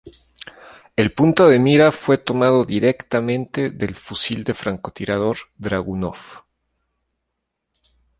El punto de mira fue tomado directamente del Fusil de francotirador Dragunov.